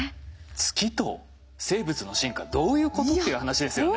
月と生物の進化どういうことっていう話ですよね。